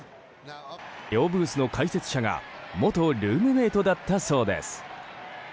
両ブースの解説者が元ルームメートだったそうです。